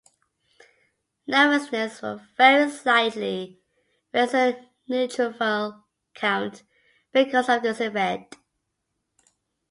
Nervousness will very slightly raise the neutrophil count because of this effect.